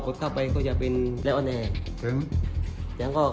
กดเข้าไปเขาจะเป็นหรั่งอ่อนแอบ